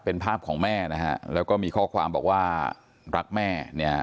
เป็นภาพของแม่แล้วก็มีข้อความบอกว่ารักแม่